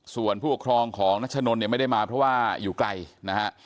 ส่วนผู้ปกครองของนัชนนเนี่ยไม่ได้มาเพราะว่าอยู่ไกลนะฮะ